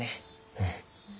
うん。